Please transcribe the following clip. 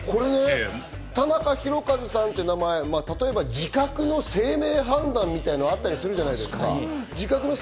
田中宏和さんっていう名前、字画の姓名判断みたいなのあったりするじゃないですか。